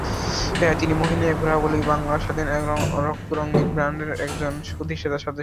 তিনি মহীনের ঘোড়াগুলি বাংলা স্বাধীন রক সঙ্গীত ব্যান্ডের একজন প্রতিষ্ঠাতা সদস্য ছিলেন।